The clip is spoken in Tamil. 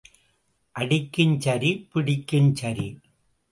அடிக்கும் சரி, பிடிக்கும் சரி.